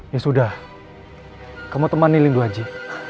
ya sudah kamu temani lindu haji